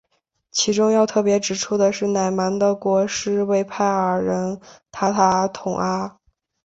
其中要特别指出的是乃蛮的国师畏兀儿人塔塔统阿。